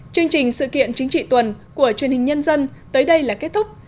chương trình sự kiện chính trị tuần của truyền hình nhân dân tới đây là kết thúc